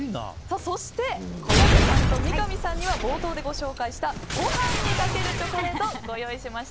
そして、小籔さんと三上さんには冒頭でご紹介したご飯にかけるチョコレートをご用意しました。